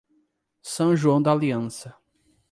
São João d'Aliança